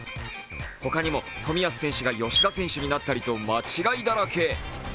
ほかにも冨安選手が吉田選手になったりと間違いだらけ。